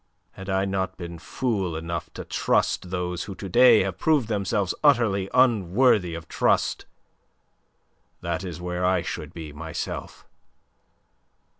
Had I not been fool enough to trust those who to day have proved themselves utterly unworthy of trust, that is where I should be myself.